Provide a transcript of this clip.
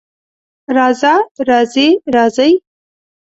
راځه، راځې، راځئ